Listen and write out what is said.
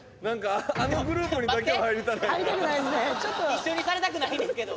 一緒にされたくないんですけど！